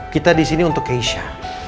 kita disini untuk keisha